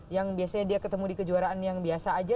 yang biasanya dia ketemu di kejuaraan yang biasa aja